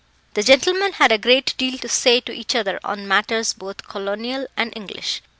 The gentlemen had a great deal to say to each other on matters both colonial and English.